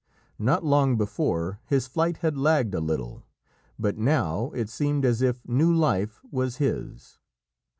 Not long before, his flight had lagged a little, but now it seemed as if new life was his.